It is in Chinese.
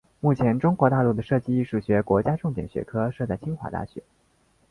目前中国大陆的设计艺术学国家重点学科设在清华大学。